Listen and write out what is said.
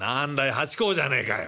八公じゃねえかよ。